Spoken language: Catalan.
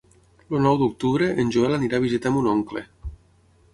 El nou d'octubre en Joel anirà a visitar mon oncle.